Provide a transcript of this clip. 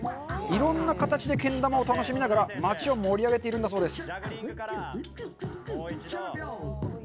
色んな形でけん玉を楽しみながら町を盛り上げているんだそうです